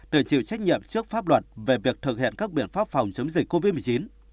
để chịu trách nhiệm trước pháp luật về việc thực hiện các biện pháp phòng chống dịch covid một mươi chín